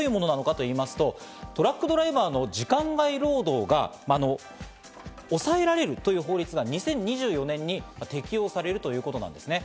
一体どういうものかと言いますと、トラックドライバーの時間外労働が抑えられるという法律が２０２４年に適用されるということなんですね。